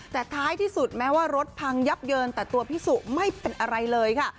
แต่ท้ายที่สุดแม้ว่ารถพังยับเยินแต่ตัวพี่สุไม่เป็นอะไรเลยค่ะ